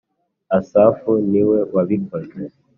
Asafu ni we wabikoze